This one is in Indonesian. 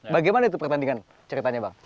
bagaimana itu pertandingan ceritanya bang